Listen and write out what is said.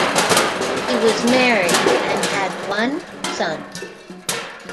He was married and had one son.